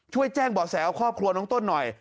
ช่วยแจ้งเบาะแสเอาครอบครัวน้องต้นหน่อย